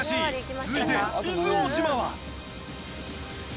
続いて伊豆大島は？